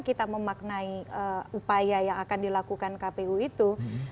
kita memaknai upaya yang akan dilakukan kpu itu